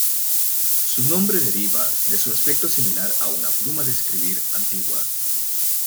Su nombre deriva de su aspecto similar a una pluma de escribir antigua.